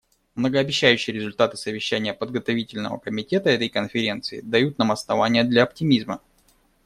Многообещающие результаты совещания Подготовительного комитета этой Конференции дают нам основания для оптимизма.